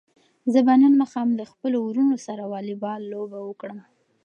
زه به نن ماښام له خپلو وروڼو سره واليبال لوبه وکړم.